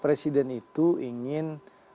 presiden itu ingin